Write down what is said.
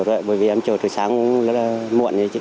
bởi vì em chờ từ sáng cũng rất là muộn